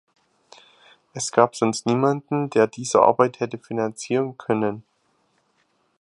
Es gab sonst niemanden, der diese Arbeit hätte finanzieren können.